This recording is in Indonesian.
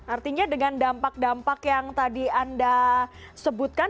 artinya dengan dampak dampak yang tadi anda sebutkan